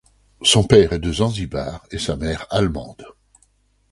Son père est de Zanzibar et sa mère allemande.